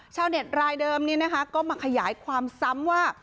ชาวเน็ตรายเดิมนี้นะคะก็มาขยายความซ้ำว่า